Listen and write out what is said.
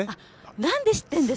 何で知ってるの？